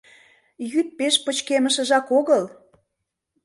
Йӱд пеш пычкемышыжак огыл.